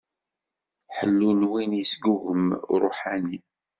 Ḥellu n win i yesgugem uṛuḥani.